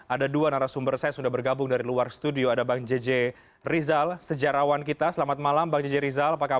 ada dua narasumber saya sudah bergabung dari luar studio ada bang jj rizal sejarawan kita selamat malam bang jj rizal apa kabar